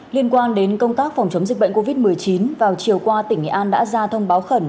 liên quan đến công tác phòng chống dịch bệnh covid một mươi chín vào chiều qua tỉnh nghệ an đã ra thông báo khẩn